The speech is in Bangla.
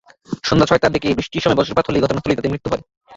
সন্ধ্যা ছয়টার দিকে বৃষ্টির সময় বজ্রপাত হলে ঘটনাস্থলেই তাঁদের মৃত্যু হয়।